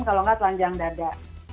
kalau tidak telanjang dada